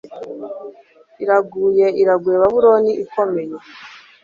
Iraguye iraguye Babuloni ikomeye